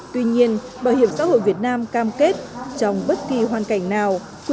tuy nhiên bảo hiểm xã hội việt nam cam kết trong bất kỳ hoàn cảnh nào